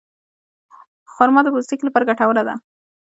خرما د پوستکي لپاره ګټوره ده.